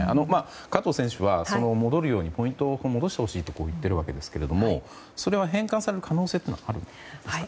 加藤選手はポイントを戻してほしいと言っているわけですがそれは返還される可能性があるんですか？